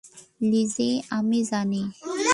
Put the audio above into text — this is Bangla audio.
লিজি, আমি জানি।